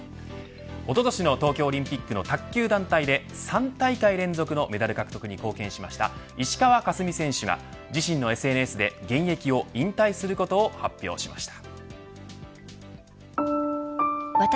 おととしの東京オリンピックの卓球団体で３大会連続のメダル獲得に貢献した石川佳純選手が自身のＳＮＳで現役を引退することを発表しました。